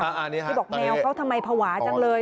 ที่บอกแมวเขาทำไมภาวะจังเลย